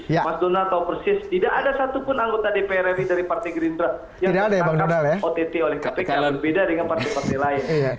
mas donald tahu persis tidak ada satupun anggota dpr ri dari partai gerindra yang ditangkap ott oleh kpk berbeda dengan partai partai lain